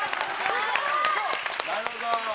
なるほど。